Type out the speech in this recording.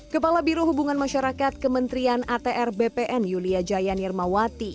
kepala biro hubungan masyarakat kementerian atr bpn yulia jaya nirmawati